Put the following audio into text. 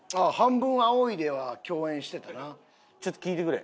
ちょっと聞いてくれ。